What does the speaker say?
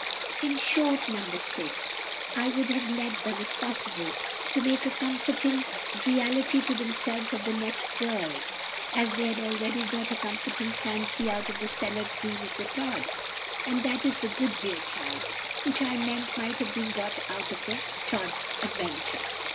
"In short, No. 6, I would have led them, if possible, to make a comforting reality to themselves of the next world, as they had already got a comforting fancy out of the cellar dream of the Tods. And that is the good, dear child, which I meant might have been got out of the Tod adventure."